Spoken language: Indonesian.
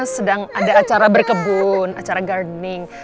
sedang ada acara berkebun acara garning